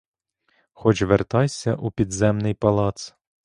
Хоч вертайся у підземний палац.